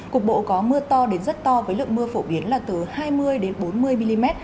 cục bộ có mưa to đến rất to với lượng mưa phổ biến là từ hai mươi bốn mươi mm